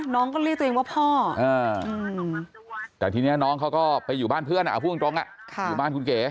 น้องก็เรียกตัวเองว่าพ่อแต่ทีนี้น้องเขาก็ไปอยู่บ้านเพื่อนเอาพูดตรงอยู่บ้านคุณเก๋